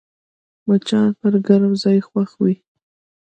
مچان پر ګرم ځای خوښ وي